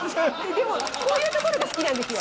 でもこういうところが好きなんですよ。